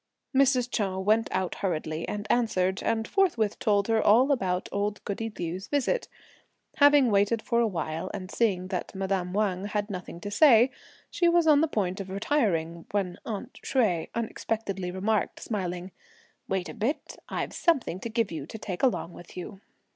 Mrs. Chou went out hurriedly and answered; and forthwith told her all about old goody Liu's visit. Having waited for a while, and seeing that madame Wang had nothing to say, she was on the point of retiring, when "aunt" Hsueh unexpectedly remarked smiling: "Wait a bit! I've something to give you to take along with you."